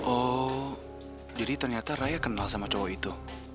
oh jadi ternyata raya kenal sama cowok itu